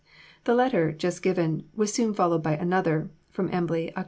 The letter, just given, was soon followed by another (from Embley, Oct.